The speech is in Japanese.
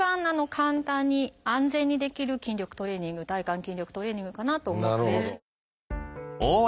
簡単に安全にできる筋力トレーニング体幹筋力トレーニングかなと思うので。